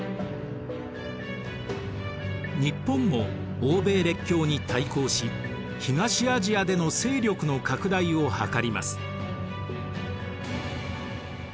日本も欧米列強に対抗し東アジアでの勢力の拡大を図ります。